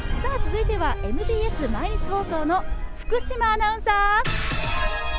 続いてはＭＢＳ毎日放送の福島アナウンサー。